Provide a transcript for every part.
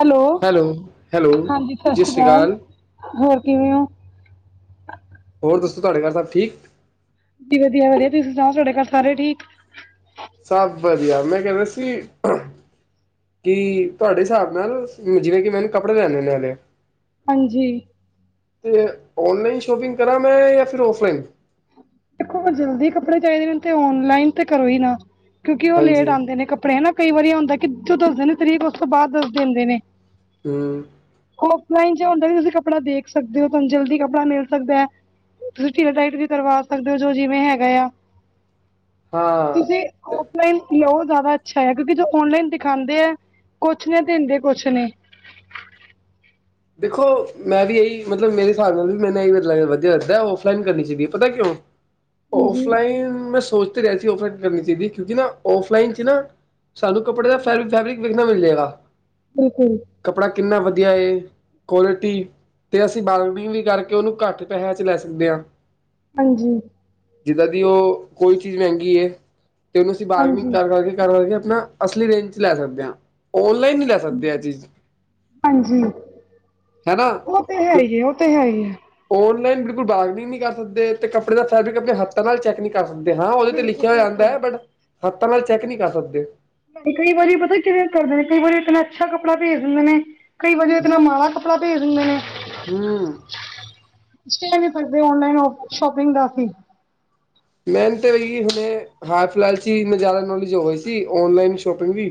Hello, hello ਹਾਂਜੀ ਸਤਿ ਸ਼੍ਰੀ ਅਕਾਲ, ਹੋਰ ਕਿਵੇਂ ਹੋ? ਹੋਰ ਦੱਸੋ ਤੁਹਾਡੇ ਘਰ ਸਭ ਠੀਕ? ਅਸੀਂ ਵੀ ਵਧੀਆਂ-ਵਧੀਆਂ, ਤੁਸੀਂ ਸੁਣਾਓ ਤੁਹਾਡੇ ਘਰ ਸਾਰੇ ਠੀਕ? ਸਭ ਵਧੀਆਂ ਮੈਂ ਕਹਿੰਦਾ ਸੀ। ਕਿ ਤੁਹਾਡੇ ਹਿਸਾਬ ਨਾਲ ਜਿਵੇਂ, ਕਿ ਮੈਨੂੰ ਕੱਪੜੇ ਲੈਦੇ ਹੁੰਦੇ ਆਲੇ ਆ ਹਾਂਜੀ ਤੇ ਔਨਲਾਈਨ ਸ਼ੋਪਿੰਗ ਕਰਾਂ ਮੈਂ ਜਾਂ ਫਿਰ ਔਫਲਾਈਨ ਦੇਖੋ ਜਲਦੀ ਕੱਪੜੇ ਚਾਹੀਦੇ ਨੇ ਤੇ ਔਨਲਾਈਨ ਤੇ ਕਰੋ ਹੀ ਨਾ ਕਿਉਂਕਿ ਉਹ ਲੇਟ ਹਾਂਜੀ ਆਉਂਦੇ ਨੇ ਕੱਪੜੇ ਹੈ, ਨਾ ਕਈ ਵਾਰੀ ਆਉਂਦਾ ਕਿ ਜੋ ਦੱਸਦੇ ਨੇ ਤਰੀਕ ਉਸ ਤੋਂ ਬਾਅਦ ਦੱਸ ਦਿੰਦੇ ਨੇ ਹੂੰ ਔਫਲਾਈਨ ਜੋ ਹੁੰਦਾ ਤੁਸੀਂ ਕੱਪੜਾ ਦੇਖ ਸਕਦੇ ਹੋ, ਤੁਹਾਨੂੰ ਜਲਦੀ ਕੱਪੜਾ ਮਿਲ ਸਕਦਾ ਹੈ। ਤੁਸੀ ਡਿਲਾ ਟਾਈਟ ਵੀ ਕਰਵਾ ਸਕਦੇ ਹੋ, ਜੋ ਜਿਵੇਂ ਹੈਗਾ ਆ ਹਾਂ ਤੁਸੀ ਜ਼ਿਆਦਾ ਅੱਛਾ ਹੈ, ਕਿਉਂਕਿ ਜੋ ਔਨਲਾਈਨ ਦਿਖਾਉਂਦੇ ਆ ਕੁੱਛ ਨੇ ਦਿੰਦੇ ਕੁੱਛ ਨੇ। ਦੇਖੋਂ ਮੈਂ ਵੀ ਇਹੀ ਮਤਲਬ ਮੇਰੇ ਹਿਸਾਬ ਨਾਲ਼ ਵੀ ਮੈਂਨੂੰ ਇਹੀ ਵਧੀਆ ਲੱਗਦਾ, ਔਫਲਾਈਨ ਕਰਨੀਂ ਚਾਹੀਦੀ ਹੈਂ ਪਤਾ ਕਿਉਂ [inaudible] ਹਾਂਜੀ ਔਫਲਾਈਨ ਮੈਂ ਸੋਚ ਤਾਂ ਰਿਹਾ ਸੀ ਔਫਲਾਈਨ ਕਰਨੀ ਚਾਹੀਦੀ ਕਿਉਂਕਿ ਨਾ ਔਫਲਾਈਨ ਚ ਨਾ, ਸਾਨੂੰ ਕੱਪੜੇ ਦਾ ਫੈ ਫੈਬਰਿਕ ਵੇਖਣਾ ਮਿਲ ਜਾਏਂਗਾ। ਤੇ ਫੇਰ ਕੱਪੜਾ ਕਿੰਨਾ ਵਧੀਆ ਏ। ਕੁਆਲਿਟੀ ਤੇ ਅਸੀਂ ਬਾਰਗਨਿੰਗ ਵੀ ਕਰਕੇ ਉਹਨੂੰ ਘੱਟ ਪੈਸਿਆ ਚ ਲੈ ਸਕਦੇ ਹਾਂ। ਹਾਂਜੀ। ਜਿੱਦਾਂ ਦੀ ਉਹ ਕੋਈ ਚੀਜ਼ ਮਹਿੰਗੀ ਏ ਤੇ ਉਹਨੂੰ ਅਸੀਂ ਬਾਰਗਨਿੰਗ ਹਾਂਜੀ ਕਰ ਕਰਕੇ ਕਰ ਕਰਕੇ ਆਪਣਾ, ਅਸਲੀ ਰੇਂਜ ਚ ਲੈ ਸਕਦੇ ਹਾਂ, ਆਨਲਾਈਨ ਨਹੀਂ ਲੈ ਸਕਦੇ ਆ ਚੀਜ਼, ਹਾਂਜੀ। ਹੈਨਾ? ਉਹ ਤੇ ਹੈਗੇ ਹੀ ਏ, ਉਹ ਤੇ ਹੈਗੇ ਹੀ ਏ, ਆਨਲਾਈਨ ਬਿਲਕੁਲ ਬਾਗਨਿ ਨ ਨਹੀਂ ਕਰ ਸਕਦੇ ਤੇ ਕੱਪੜੇ ਦਾ ਫੈਬਰਿਕ ਆਪਣੇ ਹੱਥ ਹੱਥਾ ਨਾਲ ਚੈੱਕ ਨਹੀਂ ਕਰ ਸਕਦੇ ਹਾਂ ਉਹਦੇ ਤੇ ਬਿਲਕੁਲ ਲਿਖਿਆ ਹੋ ਬਿਲਕੁਲ ਜਾਂਦਾ ਹੈ, ਬਟ ਹੱਥਾਂ ਨਾਲ ਚੈੱਕ ਨਹੀਂ ਕਰ ਸਕਦੇ ਕਈ ਵਾਰੀ ਪਤਾ ਕਿਵੇ ਕਰਦੇ ਨੇ ਕਈ ਵਾਰੀ ਇਤਨਾ ਅੱਛਾ ਕੱਪੜਾ ਭੇਜ ਦਿੰਦੇ ਨੇ, ਕਈ ਵਾਰੀ ਇਤਨਾ ਮਾੜਾ ਕੱਪੜਾ ਭੇਜ ਦਿੰਦੇ ਨੇ, ਹੂੰ, ਕਹਿ ਨੀ ਸਕਦੇ ਆਨਲਾਈਨ ਸ਼ੋਪਿੰਗ ਦਾ ਅਸੀਂ ਮਿਹਨਤ ਤੇ ਵੀ ਹੁਣੇ ਹਾਂ ਫਿਲਹਾਲ ਚ ਜ਼ਿਆਦਾ ਨੋਲੇਜ ਹੋਈ ਸੀ, ਆਨਲਾਈਨ ਸ਼ੋਪਿੰਗ ਵੀ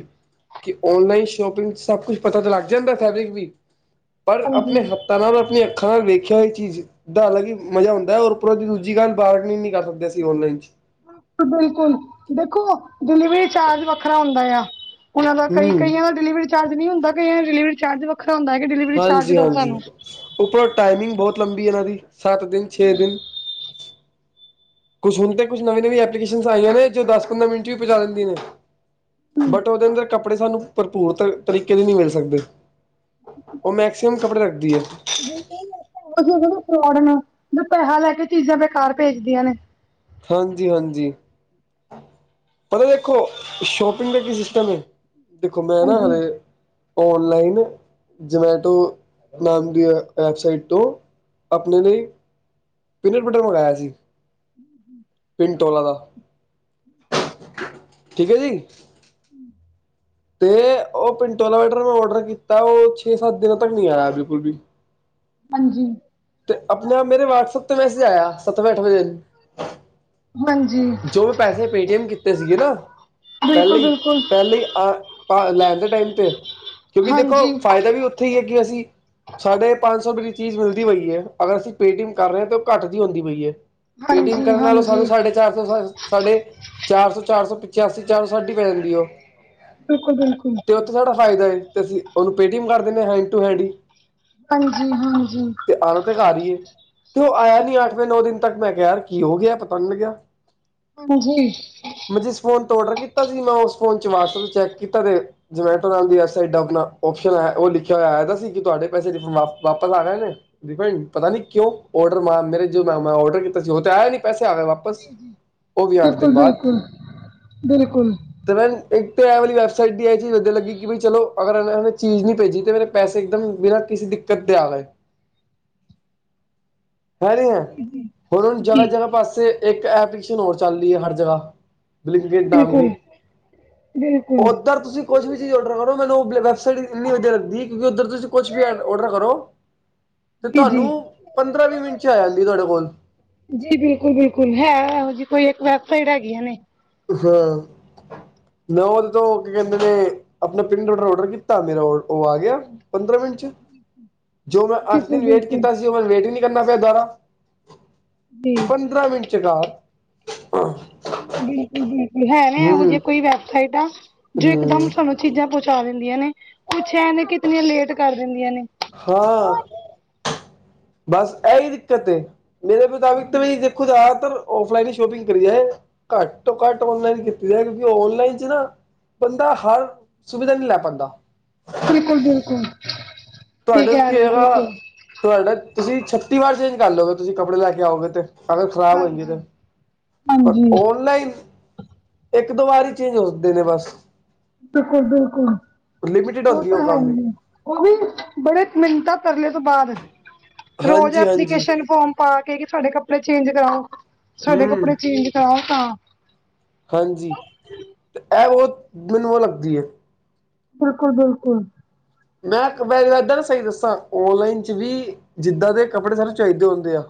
ਕਿ ਆਨਲਾਈਨ ਸ਼ੋਪਿੰਗ ਸਭ ਕੁਛ ਪਤਾ ਤਾਂ ਲੱਗ ਜਾਂਦਾ ਫੈਬਰਿਕ ਵੀ, ਪਰ ਹਾਂਜੀ ਆਪਣੇ ਹ ਤਾਂ ਨਾਲ ਆਪਣੀ ਅੱਖਾਂ ਨਾਲ ਵੇਖਿਆ ਇਹ ਚੀਜ਼ ਉਸਦਾ ਅਲਗ ਹੀ ਮਜ਼ਾ ਹੁੰਦਾ ਉਪਰੋਂ ਦੀ ਦੂਜੀ ਗੱਲ ਬਾਹਰ ਨੀ ਕਰ ਸਕਦੇ ਸੀ ਆਨਲਾਈਨ ਚ, ਬਿਲਕੁਲ ਦੇਖੋ ਡਿਲੀਵਰੀ ਚਾਰਜ ਵੱਖਰਾ ਹੁੰਦਾ ਆ। ਉਹਨਾਂ ਦਾ ਕਈ ਹੂੰ ਕਈਆਂ ਦਾ ਡਿਲੀਵਰੀ ਚਾਰਜ ਨਹੀਂ ਹੁੰਦਾ ਕਈਆਂ ਦਾ ਡਿਲੀਵਰੀ ਚਾਰਜ ਵੱਖਰਾ ਹੁੰਦਾ ਹੈ ਕਿ ਡਿਲੀਵਰੀ ਚਾਰਜ ਹਾਂਜੀ ਦਓ ਹਾਂਜੀ ਸਾਨੂੰ ਉੱਪਰੋਂ ਟਾਈਮਿੰਗ ਬਹੁਤ ਲੰਬੀ ਇਹਨਾਂ ਦੀ ਸੱਤ ਦਿਨ, ਛੇ ਦਿਨ ਕੁਛ ਹੁਣ ਤੇ ਕੁਛ ਨਵੀ-ਨਵੀਂ ਐਪਲੀਕੇਸ਼ਨ ਆਈਆਂ ਨੇ ਜੋ ਦਸ ਪੰਦਰਾਂ ਮਿੰਟ ਵੀ ਪਹੁੰਚਾ ਦਿੰਦੀ ਨੇ ਬਟ ਉਹਦੇ ਅੰਦਰ ਕੱਪੜੇ ਸਾਨੂੰ ਭਰਪੂਰ ਤ ਤਰੀਕੇ ਦੇ ਨੀ ਮਿਲ ਸਕਦੇ। ਉਹ ਮੈਕਸੀਮਮ ਕੱਪੜੇ ਰੱਖਦੀ ਹੈ। ਫਰੋਡ ਪੈਸਾ ਲੈ ਕੇ ਚੀਜ਼ਾਂ ਬੇਕਾਰ ਭੇਜਦੀਆਂ ਨੇ, ਹਾਂਜੀ-ਹਾਂਜੀ, ਪਤਾ ਦੇਖੋ ਸ਼ੋਪਿੰਗ ਦਾ ਕੀ ਸਿਸਟਮ ਹੈ, ਦੇਖੋ ਮੈਂ ਨਾ ਹਾਂਜੀ ਹਾਲੇ ਆਨਲਾਈਨ ਜਮੈਟੋ ਨਾਮ ਦੀ ਵੈਬਸਾਈਟ ਤੋਂ ਆਪਣੇ ਲਈ ਪੀਨਟ ਬਟਰ ਮੰਗਾਇਆ ਸੀ। [inaudible] ਪਿੰਡ ਟੋਲਾ ਦਾ, ਠੀਕ ਹੈ ਜੀ, [inaudible] ਤੇ ਉਹ ਪਿੰਟੋ ਵੈਟਰ ਮੈਂ ਔਡਰ ਕੀਤਾ ਉਹ ਛੇ ਸੱਤ ਦਿਨਾਂ ਤੱਕ ਨੀ ਆਇਆ ਬਿਲਕੁਲ ਵੀ, ਹਾਂਜੀ, ਤੇ ਆਪਣੇ ਆਪ ਮੇਰੇ ਵਟਸਐਪ ਤੇ ਮੈਸੇਜ ਆਇਆ ਸੱਤਵੇਂ ਅੱਠ ਵੇ ਦਿਨ ਹਾਂਜੀ। ਜੋ ਪੈਸੇ ਪੇਟੀਐਮ ਕੀਤੇ ਸੀਗੇ ਨਾ, ਪਹਿਲੇ ਬਿਲਕੁਲ ਹੀ ਬਿਲਕੁਲ ਪਹਿਲੇ ਹੀ ਆ ਲੈ ਦੇ ਟਾਈਮ ਤੇ, ਕਿਉਂਕਿ ਦੇਖੋ ਹਾਂਜੀ ਫਾਇਦਾ ਵੀ ਉੱਥੇ ਹੀ ਹੈ ਕਿ ਅਸੀਂ, ਸਾਢੇ ਪੰਜ ਸੌ ਰੁਪਏ ਦੀ ਚੀਜ਼ ਮਿਲਦੀ ਪਈ ਹੈ ਅਗਰ ਅਸੀਂ ਪੇਟੀਐਮ ਕਰ ਰਹੇ ਹਾਂ ਤੇ ਉਹ ਘੱਟ ਦੀ ਹੁੰਦੀ ਪਈ ਹੈ। ਪੇਟੀਐਮ ਹਾਂਜੀ ਕਰਨ ਨਾਲੋਂ ਹਾਂਜੀ ਸਾਨੂੰ ਸਾਡੇ, ਚਾਰ ਸੌ ਸਾਢੇ ਚਾਰ ਸੌ ਚਾਰ ਸੌ ਪਚਾਸੀ ਚਾਰ ਸੌ ਸਾਢੀ ਪੈ ਜਾਂਦੀ ਉਹ, ਬਿਲਕੁਲ-ਬਿਲਕੁਲ। ਤੇ ਉਥੇ ਸਾਡਾ ਫਾਇਦਾ ਹੈ ਤੇ ਅਸੀਂ ਉਹਨੂੰ ਪੇਟੀਮ ਕਰ ਦਿੰਦੇ ਹ ਹੈਂਡ ਟੂ ਹੈਂਡ ਹੀ ਹਾਂਜੀ-ਹਾਂਜੀ ਤੇ ਆਉਣਾ ਤਾਂ ਘਰ ਹੀ ਏ, ਉਹ ਆਇਆ ਨੀ ਅੱਠਵੇਂ ਨੌ ਦਿਨ ਤੱਕ ਮੈਂ ਕਿਹਾ ਯ ਕੀ ਹੋ ਗਿਆ ਪਤਾ ਨ ਲੱਗ ਗਿਆ ਹਾਂਜੀ ਮੈਂ ਜਿਸ ਫੋਨ ਤੋਂ ਔਡਰ ਕੀਤਾ ਸੀ। ਮੈਂ ਉਸ ਫੋਨ ਚ' ਵਟਸਐਪ ਚੈੱਕ ਕੀਤਾ ਤੇ ਜਮੈਟੋ ਦੀ ਆਪਣਾ ਓ ਉਹ ਲਿਖਿਆ ਹੋਇਆ ਸੀ। ਕਿ, ਤੁਹਾਡੇ ਪੈਸੇ ਵਾਪਸ ਆ ਗਏ ਨੇ ਡਪੈਂਡ ਪਤਾ ਨੀ ਕਿਉਂ, ਔਰਡਰ ਮੈਂ ਮੇਰੇ ਜੋ ਮੈਂ ਔਡਰ ਕੀਤਾ ਸੀ, ਉਹ ਤੇ ਆਇਆ ਨੀ ਪੈਸੇ ਆ ਗ ਵਾਪਸ ਉਹ ਵੀ ਅੱਠ ਦਿਨ ਬਿਲਕੁਲ ਬਾਅਦ ਬਿਲਕੁਲ ਬਿਲਕੁਲ ਤੇ' ਮੈਂ ਇੱਕ ਵਾਲੀ ਵੈਬਸਾਈਟ, ਅੱਛੀ ਲੱਗੀ ਕਿ, ਚਲੋ ਅਗ ਚੀਜ਼ ਨੀ ਭੇਜੀ ਤੇ ਮੇ ਪੈਸੇ, ਇੱਕਦਮ ਬਿਨਾਂ ਕਿਸੇ ਦਿੱਕਤ ਦੇ ਆ ਗਏ ਹੈ ਨਹੀਂ ਹੈ, ਹੁਣੁ ਜੀ ਜਗ੍ਹਾ-ਜਗ੍ਹਾ ਪਾਸੇ ਇੱਕ ਐਪ ਹੋਰ ਚੱਲਦੀ ਹੈ। ਹਰ ਜਗ੍ਹਾ [inaudible] ਬਿਲਕੁਲ ਬਿਲਕੁਲ ਕੁਛ ਵੀ ਚੀਜ਼ ਔਡਰ ਕਰੋ ਮੈਨੂੰ, ਵੈਬਸਾਈਟ ਇੰਨੀ ਵਧੀਆ ਲੱਗਦੀ ਕਿਉਂਕਿ, ਉੱਧਰ ਸੀ ਕੁਛ ਵੀ ਐ ਔਡਰ ਕਰੋ ਤੇ ਜੀ ਜੀ ਤੁਹਾਨੂੰ, ਪੰਦਰਾਂ -ਵੀਹ ਮਿੰਟ ਚ ਆ ਜਾਂਦੀ ਤੁਹਾਡੇ ਕੋਲ। ਜੀ ਬਿਲਕੁਲ, ਬਿਲਕੁਲ ਹੈ ਇਹੋ ਜਿਹੀ ਕੋਈ ਇੱਕ, ਵੈਬਸਾਈਟ ਹੈਗੀ ਹੈ ਨੇ, ਹਾਂ, ਮੈਂ ਉਹਦੇ ਤੋਂ, ਕੀ ਕਹਿੰਦੇ ਨੇ ਆਪਣਾ ਪਿੰਡਰ ਔਡਰ ਕੀਤਾ, ਮੇਰਾ ਉਹ ਆ ਗਿਆ। ਪੰਦਰਾਂ ਮਿੰਟ ਚ, ਜੋ ਮੈਂ, ਅੱਠ ਬਿਲਕੁਲ ਦਿਨ ਵੇਟ ਬਿਲਕੁਲ ਕੀਤਾ ਸੀ। ਉਹ ਮੈ ਵੇਟ ਹੀ ਨਹੀਂ ਕਰਨਾ ਪਿਆ ਦੁਬਾਰਾ, ਜੀ ਪੰਦਰਾਂ ਮਿੰਟ, ਚਗਾਾਰ ਹਾਂ [inaudible] ਬਿਲਕੁਲ -ਬਿਲਕੁਲ ਹੈ ਨੇ ਇਹੋ ਹੂੰ ਜਿਹੀ ਕੋਈ ਵੈਬਸਾਈਟਾ ਆ ਜੋ ਇੱਕ ਹੂੰ ਦਮ ਸਾਨੂੰ ਚੀਜ਼ਾਂ ਪਹੁੰਚਾ ਦਿੰਦੀਆਂ ਨੇ, ਕੁੱਛ ਹੈ ਨੇ ਕਿਤਨੀਆਂ ਲੇਟ ਕਰ ਦਿੰਦੀਆਂ ਨੇ ਹਾਂ ਬਸ, ਇਹ ਹੀ ਦਿੱਕਤ ਏ ਮੇਰੇ ਮੁਤਾਬਿਕ ਤਾਂ ਵੀ ਖੁਦ, ਔਫਲਾਈਨ ਹੀ ਸ਼ੋਪਿੰਗ ਕਰੀ ਜਾਏ। ਘੱਟ ਤੋਂ ਘੱਟ, ਔਨਲਾਈਨ ਕੀਤੀ ਜਾ ਕਿਉਂਕਿ, ਔਨਲਾਈਨ ਚ ਨਾ, ਬੰਦਾ ਹਰ ਸੁਵਿਧਾ, ਨਹੀਂ ਲੈ ਪਾਉਂਦਾ, ਬਿਲਕੁਲ- ਬਿਲਕੁਲ ਠੀਕ ਏ, ਤੁਹਾਡਾ ਕੀ ਹੋਏਗਾ, ਤੁਹਾਡਾ ਤੁਸੀਂ ਛੱਤੀ ਵਾਰ ਚੇਂਜ ਕਰ ਲਓਗੇ, ਤੁਸੀਂ ਕੱਪੜੇ ਲੈ ਕੇ ਆਓਗੇ ਤੇ ਅਗਰ ਖ਼ਰਾਬ ਹੋ ਗਈ ਹਾਂਜੀ ਤੇ, ਹਾਂਜੀ ਔਨਲਾਈਨ ਇੱਕ, ਦੋ ਵਾਰ ਹੀ, ਚੇਂਜ ਹਦੇ ਨੇ ਬਸ। ਬਿਲਕੁਲ- ਬਿਲਕੁਲ ਲਿਮਿਟਿਡ ਉਹ ਹੁੰਦੀ ਤਾਂ ਹੈ ਕੰਮ ਹੀ ਨ, ਉਹ ਵੀ, ਬੜੇ ਮਿੰਟਾਂ ਤਰਲੇ ਤੋਂ ਬਾਅਦ, ਰੋਜ਼ ਹਾਂਜੀ ਹਾਂਜੀ ਐਪਲੀਕੇਸ਼ਨ ਫੋਾਰਮ ਪਾ ਕੇ ਕਿ, ਸਾਡੇ ਕੱਪੜੇ ਚੇਂਜ ਕਰਾਓ, ਸਾਡੇ ਹੂੰ ਕੱਪੜੇ ਚੇਂਜ ਕਰਾਓ ਤਾਂ, ਹਾਂਜੀ, ਤੇ ਇਹ ਉਹ ਮੈਨੂੰ ਉਹ ਲੱਗਦੀ ਹੈ ਬਿਲਕੁਲ- ਬਿਲਕੁਲ ਮੈਂ ਇੱਕ ਵਾਰੀ ਇੱਦਾਂ ਨ ਸਹੀ ਦੱਸਾਂ, ਓਨਲਾਈਨ ਚ ਵੀ ਜਿੱਦਾਂ ਦੇ ਕੱਪੜੇ, ਤਹਾਨੂੰ ਚਾਹੀਦੇ ਹੁੰਦੇ ਆ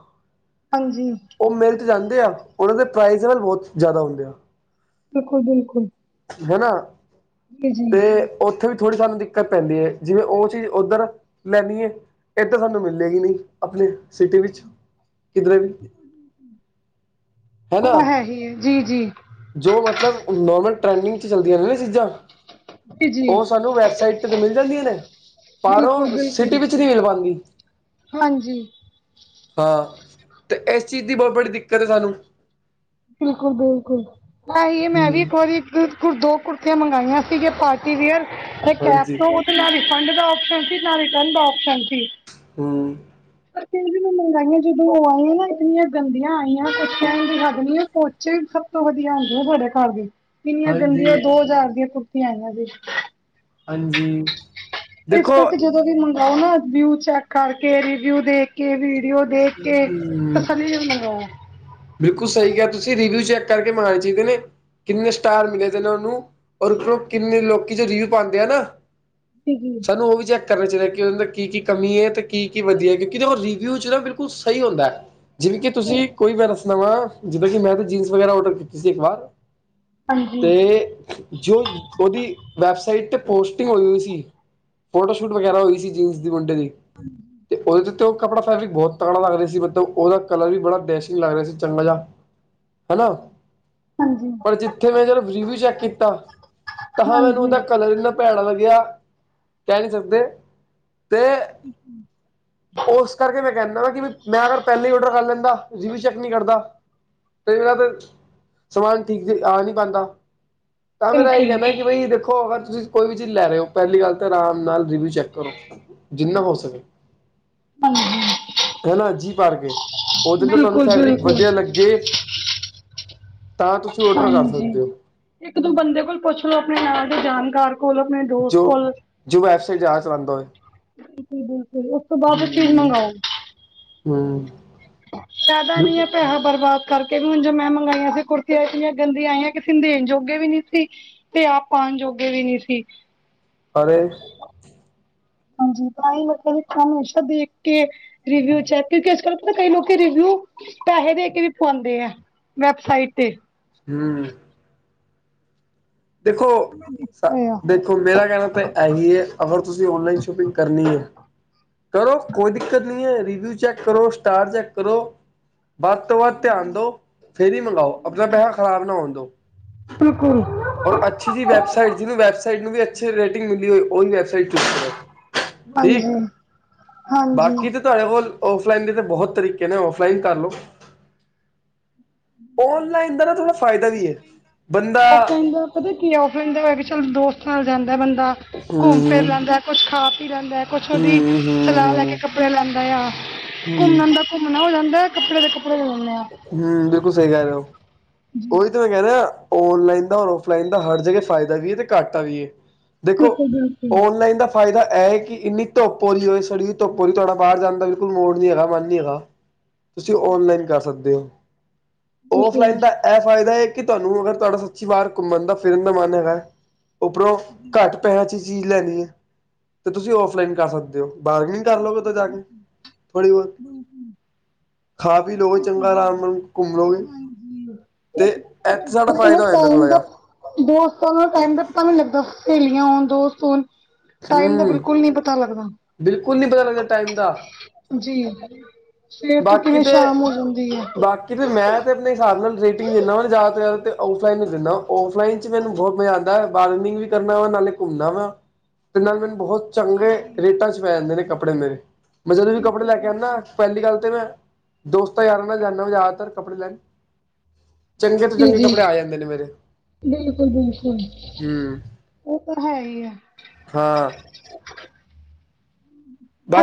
ਹਾਂਜੀ। ਉਹ ਮਿਲ 'ਤੇ ਜਾਂਦੇ ਆ, ਉਹਨਾਂ ਦੇ ਪ੍ਰਾਈਜ਼ਵਲ ਬਹੁਤ ਜ਼ਿਆਦਾ ਹੁੰਦੇ ਆ ਬਿਲਕੁਲ -ਬਿਲਕੁਲ ਹੈ ਨਾ, ਜੀ ਜੀ ਤੇ ਉੱਥੇ ਵੀ, ਥੋੜ੍ਹੀ ਸਾਨੂੰ ਦਿੱਕਤ ਪੈਂਦੀ ਹੈ, ਜਿਵੇਂ ਉਹ ਚੀਜ਼ ਉੱਧਰ ਲੈਂਦੀ ਹੈ। ਐਦੂ ਵੱਧ ਮਿਲੇ ਗੀ, ਆਪਣੀ ਸਿਟੀ ਵਿੱਚ, ਕਿਧਰੇ ਵੀ ਔ ਹਨਾ ਤਾਂ ਹੈ ਹੀ ਹੇ ਜੀ- ਜੀ, ਜੋ ਮਤਲਬ, ਨੋਰਮਲ ਟਰੈਂਡਿੰਗ ਚ ਚੱਲਦੀਆਂ ਨੇ ਨਾ ਚੀਜ਼ਾਂ ਜੀ ਜੀ ਉਹ ਸਾਨੂੰ, ਵੈਬਸਾਈਟ ਤ ਤੇ ਮਿਲ ਜਾਂਦੀਆਂ ਨੇ। ਬਿਲਕੁਲ ਪਾਰੋ, ਸਿਟੀ ਬਿਲਕੁਲ ਵਿੱਚ ਨਈ ਮਿਲ ਪਾਦੀ। ਹਾਂਜੀ। ਹਾਂ ਤੇ, ਇਸ ਚੀਜ਼ ਦੀ ਬਹੁਤ ਬੜੀ, ਦਿੱਕਤ ਹੈ ਸਾਨੂੰ। ਬਿਲਕੁਲ-ਬਿਲਕੁਲ ਐਹੀ ਮੈਂ ਵੀ, ਹਮ ਇੱਕ ਵਾਰੀ ਦੋ ਕੁਰਤੀਆਂ ਮੰਗਾਈਆ ਸੀਗੀ ਕੈ ਹਾਂਜੀ ਤੋਂ, ਨਾ ਰਿਫੰਡ ਦਾ ਆਪਸ਼ਨ ਸੀ। ਨਾ ਰਿਟਰਨ ਦਾ ਆਪਸ਼ਨ ਸੀ। ਹਮ ਪਰ ਵੀ ਮੈਂ ਮੰਗਾਈਆਂ ਜਦੋਂ ਉਹ ਆਈਆਂ ਨਾ ਇੰਨੀਆਂ ਗੰਦੀਆਂ ਆਈਆਂ, ਕੁਛ ਕਹਿਣ ਦੀ ਹੱਦ ਨੀ ਪੋਚੇ ਵੀ ਸਭ ਤੋਂ ਵਧੀਆ ਆਉਦੇ ਉਹ ਤੁਹਾਡੇ ਘਰਦੇ, ਕਿੰਨੀਆਂ ਹਾਂਜੀ, ਗੰਦੀਆਂ ਦੋ ਹਜ਼ਾਰ ਦੀਆਂ ਆਇਆ ਫਿਰ ਹਾਂਜੀ ਇਸ ਦੇਖੋ ਕਰ ਤੇ ਜਦੋਂ ਵੀ ਮੰਗਵਾਓ ਨਾ, ਰਿਵਿਊ ਚੈੱਕ ਕਰਕੇ, ਰਿਵਿਊ ਦੇ ਕੇ ਕਿ ਵੀਡੀਓ ਦੇਖ ਕੇ, ਹੂੰ, ਤਸਲੀ ਨਾਲ ਮੰਗਵਾਇਆ ਬਿਲਕੁਲ ਸਹੀ ਕਿਹਾ, ਤੁਸੀਂ ਰਿਵਿਊ ਚੈੱਕ ਕਰਕੇ ਮੰਗਵਾਉਣੇ ਚਾਹੀਦੇ ਨੇ ਕਿੰਨੇ ਸਟਾਰ ਮਿਲੇ ਦੇ ਨੇ ਉਹਨੂੰ, ਔਰ ਕਿੰਨੇ ਲੋਕੀ 'ਚ ਰਿਵਿਊ ਪਾਉਂਦੇ ਆ ਨਾ। ਸੀਗੀ। ਸਾਨੂੰ ਉਹ ਵੀ ਚੈੱਕ ਕਰਨਾ ਚਾਹੀਦਾ ਕਿ ਉਹ ਕੀ-ਕੀ ਕਮੀ ਹੈ ਤੇ ਕੀ-ਕੀ ਵਧੀਆ ਹੈ, ਕਿਉਂਕਿ ਉਹ ਰਿਵਿਊ 'ਚ ਨਾ ਬ। ਔ ਸਹੀ ਹੁੰਦਾ, ਜਿਵੇਂ ਕਿ, ਤੁਸੀਂ ਕੋਈ ਵੀੇ ਬਸ ਜਿੱਵੇ ਕਿ, ਮੈਂ ਤੇ ਜੀਨਸ ਵਗੈਰਾ ਓਡਰ ਕੀਤੀ ਸੀ ਇੱਕ ਬਾਰ ਹਾਂਜੀ ਤੇ, ਜੋ ਉਹਦੀ ਵੈਬਸਾਈਟ ਤੇ ਪੋਸਟਿੰਗ ਹੋਈ ਹੋਈ ਸੀ। ਫੋਟੋ ਸ਼ੂਟ ਵਗੈਰਾ ਹੋਈ ਸੀ ਜੀਨਸ ਦੀ ਮੁੰਡੇ ਦੀ। ਤੇ ਉਹਦੇ ਤੋਂ ਉਹ ਕੱਪੜਾ ਫੈਬਰਿਕ ਬਹੁਤ ਤਕੜਾ ਲੱਗ ਰਿਹਾ ਸੀ, ਮਤਲਬ ਉਹਦਾ ਕਲਰ ਵੀ ਬੜਾ ਡੈਸ਼ਿੰਗ ਲੱਗ ਰਿਹਾ ਸੀ। ਚੰ ਬਜਾ ਹਨਾਂ। [unintelligible] ਹਾਂਜੀ ਪਰ ਜਿੱਥੇ ਮੈਂ ਜਦੋਂ ਰਿਵਿਊ ਚੈੱਕ ਕੀਤਾ, ਤਾਂ ਹਾਂ ਮੈਨੂੰ ਹਾਂਜੀ ਉਹਦਾ ਕਲਰ ਇੰਨਾ। ਭੈੜਾ ਲੱਗਿਆ, ਕਹਿ ਨਹੀਂ ਸਕਦੇ, ਤੇ। ਉਸ ਕਰਕੇ ਮੈਂ ਕਹਿੰਦਾ ਵਾ ਕਿ ਮੈਂ ਅਗਰ ਪਹਿਲਾਂ ਹੀ ਆਰਡਰ ਕਰ ਲੈਂਦਾ, ਰਿਵਿਊ ਚੈੱਕ ਨਹੀਂ ਕਰਦਾ। ਕਈ ਵਾਰ ਤੇ, ਸਮਾਨ ਠੀਕ ਆ ਨਹੀ ਪਾਉਂਦਾ। ਤਾਂ ਮੇਰਾ ਇਹੀ ਬਿਲਕੁਲ ਕਹਿਣਾ ਕਿ ਬਈ ਦੇਖੋ ਅਗਰ ਤੁਸੀਂ ਕੋਈ ਵੀ ਚੀਜ਼ ਲੈ ਰਹੇ ਹੋ, ਪਹਿਲੀ ਗੱਲ ਤਾਂ ਆਰਾਮ ਨਾਲ ਰਿਵਿਊ ਚੈੱਕ। ਕਰੋ ਜਿੰਨਾ ਹਾਂਜੀ ਹੋ ਸਕੇ ਹਾਂਜੀ। ਹਨਾ, ਜੀ ਭਰ ਕੇ, ਉਹਦੇ ਨਾਲ ਤੁਹਾਨੂੰ ਬਿਲਕੁਲ ਫੈਬਰਿਕ ਬਿਲਕੁਲ ਵਧੀਆ ਲੱਗੇ। ਤਾਂ ਤੁਸੀਂ ਔਡਰ ਕਰ ਹਾਂਜੀ, ਸਕਦੇ ਹੋ ਇੱਕ- ਦੋ ਬੰਦੇ ਕੋਲ ਪੁੱਛ ਲੋੋ ਆਪਣੇ ਨਾਲ ਤੋਂ ਜਾਣਕਾਰ। ਕੋਲ ਫਰੈਂਡ, ਆਪਣੇ ਦੋਸਤ ਜੋ ਕੋਲ। ਜੋ ਵੈਬਸਾਈਟ ਚਲਾ ਸਕਦਾ ਹੋਏ। ਬਿਲਕੁਲ-ਬਿਲਕੁਲ ਉਸ ਤੋਂ ਬਾਅਦ ਚੀਜ਼ ਮੰਗਵਾਓ। ਹਮਮ। ਜ਼ਿਆਦਾ ਨੀ ਹੈ ਪੈਸਾ ਬਰਬਾਦ। ਕਰਕੇ ਵੀ ਹੁਣ ਜ ਮੈਂ ਮੰਗਾਈਆਂ ਸੀ ਕੁਰਤੀਆਂ ਇੰਨੀਆਂ ਗੰਦੀਆਂ ਆਈਆਂ ਕਿਸੇ ਨੂੰ ਦੇਣ ਜੋਗੇ ਵੀ ਨਹੀ ਸੀ। ਤੇ ਆਪ ਪਾਉਣ ਜੋਗੇ ਵੀ ਨਹੀ ਸੀ। ਅਰੇ ਅ। ਹਾਂਜੀ, ਤਾਂਹੀ ਮੈੰ ਕਹਿੰਦੀ ਹਮੇਸ਼ਾ ਦੇਖ ਕੇ। ਰ ਰਿਵਿਊ ਚੈ ਕਿਉਂਕਿ ਆਜ ਕਲ ਕਈ ਲੋਕ ਰ ਰਿਵਊੂ। ਪੈਸੇ ਦੇ ਕੇ ਵੀ ਪਵਾਉਂਦੇ ਆ, ਵੈਬਸਾਈਟ ਤੇ। ਹਮ। ਦੇਖੋ ਅ 'ਚ। [unintelligible] ਦੇਖੋ ਮੇਰਾ ਕਹਿਣਾ ਤਾਂ ਇਹੀ ਹੀ ਹੈ, ਅਗਰ ਤੁਸੀਂ ਔਨਲਾਈਨ ਸ਼ੋਪਿੰਗ ਕਰਨੀ ਹੈ। ਕਰੋ, ਕੋਈ ਦਿੱਕਤ ਨਹੀਂ ਹੈ ਰਿਵਿਊ ਚੈੱਕ ਕਰੋ, ਸਟਾਰ ਚੈੱਕ ਕਰੋ। ਵੱਧ ਤੋਂ ਵੱਧ ਧਿਆਨ ਦੋ, ਫੇਰ ਹੀ ਮੰਗਾਓ, ਆਪਣਾ ਪੈਸਾ ਖ਼ਰਾਬ ਨਾ ਹੋਣ ਦੋ। ਬਿਲਕੁਲ। ਸ੍ਰੀ ਵੈਬਸਾਈਟ ਜਿਹੂੰ ਵੈਬਸਾਈਟ ਨੂੰ ਵੀ ਅੱਛੀ ਰੇਟਿੰਗ ਹੁੰਦੀ ਹੋਏ, ਉਹੀ ਵੈਬਸਾਈਟ ਠੀਕ, ਹਾਂਜੀ ਹਾਂਜੀ ਬਾਕੀ ਤਾਂ- ਤੁਹਾਡੇ ਕੋਲ ਔਫਲਾਈਨ ਦੇ ਤਾਂ ਬਹੁਤ ਤਰੀਕੇ ਨੇ, ਔਫਲਾਈਨ ਕਰ ਲੋ- ਔਨਲਾਈਨ ਦਾ ਨਾ ਥੋੜ੍ਹਾ ਫਾਇਦਾ ਵੀ ਹੈ। ਬੰਦਾ- ਆਫਲਾਈਨ ਦਾ ਪਤਾ ਕੀ ਔਫਲਾਈਨ ਦਾ ਹੋਇਆ, ਕਿ ਚੱਲ ਦੋਸਤ ਨਾਲ ਜਾਦਾ ਬੰਦਾ ਘੁੰਮ ਫਿਰ ਹਮ ਲੈਂਦਾ ਹੈ। ਕੁਛ ਖਾ ਪੀ ਲੈਦਾ ਹੈ। ਕੁਛ ਉਹਦੀ ਹਮ ਹਮ ਸਲਾਹ ਲੈ ਕੇ ਹਮ ਕੱਪੜੇ ਲੈਦਾ ਆ, ਹਮ ਘੁੰਮਣ ਦਾ ਘੁੰਮਣਾ ਹੋ ਜਾਦਾ ਕੱਪੜੇ ਦੇ ਕੱਪੜੇ ਲੈਂਦੇ ਆ ਹੂੰ ਬਿਲਕੁਲ ਸਹੀ ਕਹਿ ਰਹੇ ਹੋ, ਉਹੀ ਤਾਂ ਮੈਂ ਕਹਿ ਰਿਹਾ- ਔਨਲਾਈਨ ਦਾ ਔਰ ਔਫਲਾਈਨ ਦਾ ਹਰ ਜਗ੍ਹਾ ਫਾਇਦਾ ਵੀ ਹੈ ਤੇ ਘਾਟਾ ਵੀ ਹ। ਦੇਖੋ ਬਿਲਕੁਲ ਔਨਲਾਈਨ ਦਾ। ਫਾਇਦਾ ਐ, ਹੈ ਕਿ ਇੰਨੀ ਧੁੱਪ ਹੋ ਰਈ ਹੋਏ। ਸੜੀ ਜੀ ਧੁੱਪ ਹੋ ਰਹੀ ਤੁਹਾਡਾ ਬਾਰ ਜਾਣ ਦਾ ਬਿਲਕੁਲ ਮੋੜ ਨਹੀਂ ਹੈਗਾ, ਮਨ ਨਹੀਂ ਹੈਗਾ। ਤੁਸੀਂ ਔਨਲਾਈਨ ਕਰ ਸਕਦੇ ਹੋ। ਔਫਲਾਈਨ ਦਾ ਅ ਐ ਫਾਇਦਾ ਹੈ। ਕਿ ਤੁਹਾਨੂੰ ਅਗਰ ਤੁਹਾਡਾ ਸੱਚੀ ਵਾਰ ਘੁੰਮਣ ਦਾ ਫਿਰਨ ਦਾ ਮਨ ਹੈਗਾ, ਉੱਪਰੋਂ ਘੱਟ ਅ ਪੈਸਿਆ ਚ ਚੀਜ਼ ਲੈਣੀ ਐ ਤੇ ਤੁਸੀਂ ਔਫਲਾਈਨ ਕਰ ਸਕਦੇ ਹੋ। ਬਾਰਗਨਿੰਗ ਕਰ ਲਓ, ਕਿਤੋ ਜਾ ਕੇ ਥੋੜੀ ਬਹੁਤ ਖਾ ਪੀ ਲੋ। ਚੰਗਾ ਆਰਾਮ ਨਾਲ ਘੁੰਮ ਲੋਗੇ [inaudible] ਤੇ ਐਥੇ ਸਾਡਾ ਫਾਇਦਾ ਹੋ ਜਾਂਦਾ ਥੋੜ੍ਹਾ ਬਿਲਕੁਲ ਦੋਸਤਾਂ ਜਿਹਾ ਨਾਲ ਦੋਸਤਾਂ ਨਾਲ ਟਾਈਮ ਦਾ ਪਤਾ ਵੀ ਨਹੀ ਲੱਗਦਾ। ਸਹੇਲੀਆਂ ਹੋਣ ਦੋਸਤ ਹੋਣ ਟਾਈਮ ਦਾ ਹੂੰ ਬਿਲਕੁਲ ਨੀ ਪਤਾ ਲੱਗਦਾ- ਬਿਲਕੁਲ ਨੀ ਪਤਾ ਲੱਗਦਾ ਟਾਈਮ ਦਾ- ਜੀ, ਸਵੇਰ ਤੋ ਬਾਕੀ ਕਿਵੇਂ ਤੇ ਸ਼ਾਮ ਹੋ ਜਾਦੀ ਹੈ? ਤੇ ਬਾਕੀ ਫੇਰ ਮੈ ਤਾਂ ਆਪਣੇ ਹਿਸਾਬ ਨਾਲ ਰੇਟਿੰਗ ਦਿੰਦਾ ਵਾ ਨਾ ਜ਼ਿਆਦਾ ਤੋਂ ਜ਼ਿਆਦਾ ਤਾਂ ਔਫਲਾਈਨ ਈ ਦਿੰਦਾ ਔਫਲਾਈਨ ਵਿਚ ਮੈਨੂੰ ਬਹੁਤ ਮਜਾ ਆਉਦਾ ਹੈ। ਬਾਰਗਨਿਗ ਵੀ ਕਰਨਾ ਓ ਨਾਲੇ ਘੁੰਮਣਾ ਵਾ ਤੇ ਨਾਲੇ ਮੈਨੂੰ ਬਹੁਤ ਚੰਗੇ ਰੇਟਾਂ ਚ ਪੈ ਜਾਂਦੇ ਨੇ, ਕੱਪੜੇ ਮੇਰੇ ਮੈ ਜਦੋ ਵੀ ਕੱਪੜੇ ਬਿਲਕੁਲ ਲੈ ਕੇ ਆਂਦਾ ਬਿਲਕੁਲ ਪਹਿਲੀ ਗੱਲ ਤੇ ਮੈ ਦੋਸਤਾਂ ਯਾਰਾਂ ਨਾਲ ਜਾਣਾ ਜਿਆਦਾਤਰ ਕੱਪੜੇ ਲੈਣ ਚੰਗੇ ਤੋਂ ਜੀ ਚੰਗੇ ਜੀ ਕੱਪੜੇ ਆ ਜਾਂਦੇ ਨੇ ਮੇਰੇ ਬਿਲਕੁਲ ਬਿਲਕੁਲ ਹੂੰ - ਉਹ ਤਾਂ ਹੈ, ਈ ਐ। ਹਾਂ-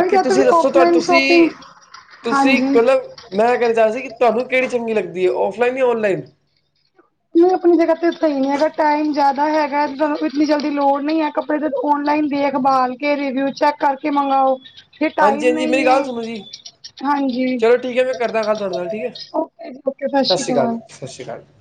ਅਭੀ ਤੁਸੀ ਤੱਕ ਦੱਸੋ? ਤੁਹਾ ਆਫਲਾਈਨ ਸ਼ਾਪਿੰਗ ਤੁਸੀ-ਤੁਸੀ ਹਾਂਜੀ ਨਹੀਂ ਕਲਰ ਮੈਂ ਕਦੇ ਜੱਜ ਨੀ ਕੀਤਾ। ਤੁਹਾਨੂੰ ਕਿਹੜੀ ਚੰਗੀ ਲੱਗਦੀ ਐ, ਔਫਲਾਈਨ ਜਾਂ ਔਨਲਾਈਨ ਨਈ ਆਪਣੀ ਜਗ੍ਹਾ ਤੇ ਸਹੀ ਨਹੀ ਹੈਗਾ। ਟਾਈਮ ਜ਼ਿਆਦਾ ਹੈਗਾ ਇਤਨੀ ਜਲਦੀ ਦੀ ਲੋੜ ਨਹੀ ਹੈ। ਕੱਪੜੇ ਤੇ ਓਨਲਾਈਨ ਦੇਖਬਾਲ ਕੇ ਰਿਵਿਊ ਚੈਕ ਕਰਕੇ ਮੰਗਵਾਓ ਹਾਂਜੀ-ਹਾਂਜੀ ਮੇਰੀ ਗੱਲ ਸੁਣੋ ਜੀ- ਹਾਂਜੀ ਚਲੋ ਠੀਕ ਐ, ਮੈਂ ਕਰਦਾ ਗੱਲ ਤੁਹਾਡੇ ਨਾਲ ਠੀਕ ਐ ਓਕੇ ਜੀ ਓਕੇ ਸਤਿ ਸ਼੍ਰੀ ਸਸ੍ਰੀ ਅਕਾਲ ਜੀ-ਸਸ੍ਰੀ ਅਕਾਲਜੀ।